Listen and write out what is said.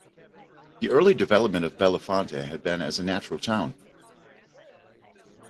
The early development of Bellefonte had been as a natural town.